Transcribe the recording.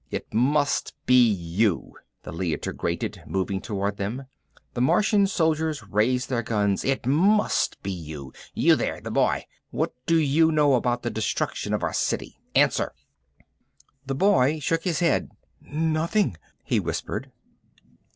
"It must be you," the Leiter grated, moving toward them. The Martian soldiers raised their guns. "It must be you. You there, the boy. What do you know about the destruction of our city? Answer!" The boy shook his head. "Nothing," he whispered.